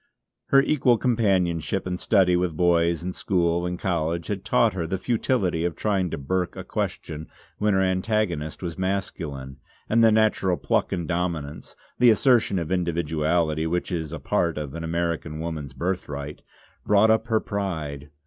Her equal companionship in study with boys in school and college had taught her the futility of trying to burke a question when her antagonist was masculine; and the natural pluck and dominance the assertion of individuality which is a part of an American woman's birthright brought up her pride.